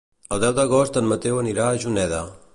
El deu d'agost en Mateu anirà a Juneda.